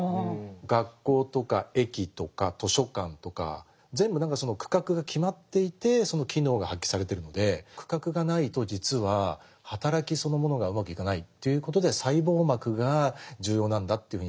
学校とか駅とか図書館とか全部何かその区画が決まっていてその機能が発揮されてるので区画がないと実は働きそのものがうまくいかないということで細胞膜が重要なんだというふうに言ってますね。